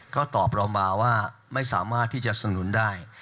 ก็ตอบเรามาว่าไม่สามารถที่จะสนุนได้